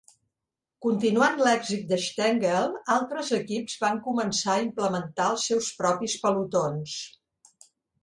Continuant l'èxit de Stengel, altres equips van començar a implementar els seus propis pelotons.